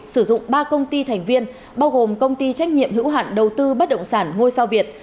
sử dụng ba công ty thành viên bao gồm công ty trách nhiệm hữu hạn đầu tư bất động sản ngôi sao việt